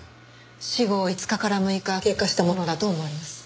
死後５日から６日経過したものだと思われます。